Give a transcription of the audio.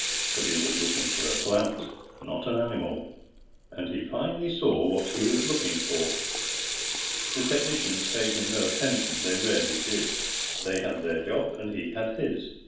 But he was looking for a plant, not an animal. And he finally saw what he was looking for. The technicians paid him no attention. They rarely did. They had their job, and he had his.